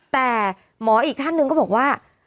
แต่หมออีกท่านหนึ่งก็บอกว่า